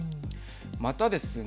またですね